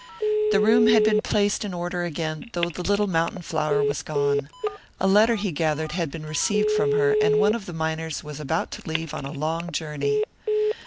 The room had been placed in order again, though the little mountain flower was gone. A letter, he gathered, had been received from her, and one of the miners was about to leave on a long journey.